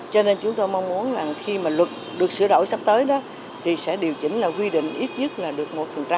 cho nên chúng tôi mong muốn là khi mà luật được sửa đổi sắp tới đó thì sẽ điều chỉnh là quy định ít nhất là được một